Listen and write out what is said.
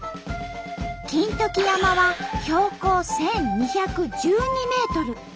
金時山は標高１，２１２メートル。